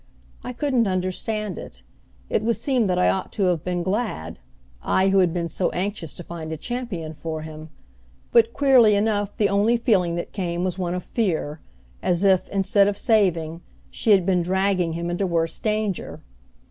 I couldn't understand it. It would seem that I ought to have been glad I, who had been so anxious to find a champion for him but queerly enough the only feeling that came was one of fear, as if, instead of saving, she had been dragging him into worse danger.